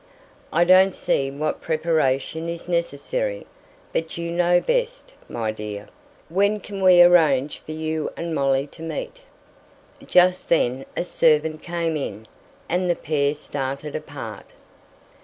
"I don't see what preparation is necessary; but you know best, my dear. When can we arrange for you and Molly to meet?" Just then a servant came in, and the pair started apart.